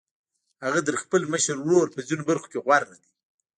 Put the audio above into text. هغه تر خپل مشر ورور په ځينو برخو کې غوره دی.